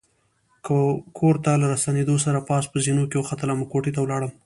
کور ته له راستنېدو سره پاس په زینو کې وختلم او کوټې ته ولاړم.